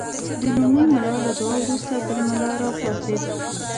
د لومړي ملا له دعا وروسته بل ملا راپاڅېد.